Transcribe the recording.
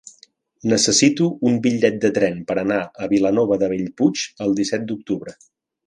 Necessito un bitllet de tren per anar a Vilanova de Bellpuig el disset d'octubre.